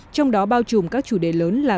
trong đó bao trùm các chủ đề lớn là